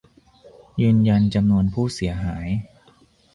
ยืนยันจำนวนผู้เสียหาย